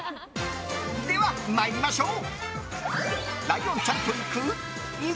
では、参りましょう。